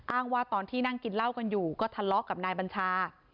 ว่าตอนที่นั่งกินเหล้ากันอยู่ก็ทะเลาะกับนายบัญชา